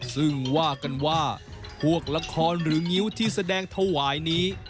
ซึ่งว่ากันว่าพวกละครหรืองิ้วที่แสดงถวายนี้